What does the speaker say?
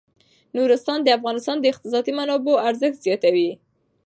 نورستان د افغانستان د اقتصادي منابعو ارزښت زیاتوي.